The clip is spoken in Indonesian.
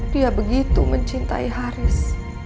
dia begitu mencintai haris